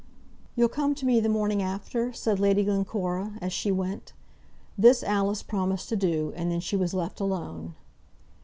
"You'll come to me the morning after," said Lady Glencora, as she went. This Alice promised to do; and then she was left alone.